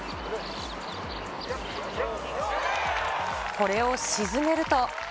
これを沈めると。